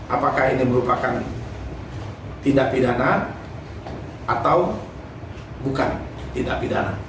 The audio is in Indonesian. apakah ini merupakan tindak pidana atau bukan tindak pidana